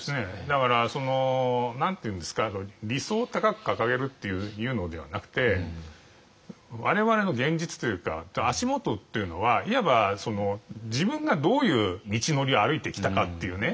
だから何て言うんですか理想を高く掲げるっていうのではなくて我々の現実というか足元というのはいわば自分がどういう道のりを歩いてきたかっていうね